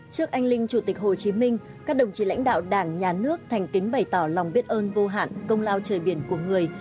trước anh linh chủ tịch hồ chí minh các đồng chí lãnh đạo đảng nhà nước thành kính bày tỏ lòng biết ơn vô hạn công lao trời biển của người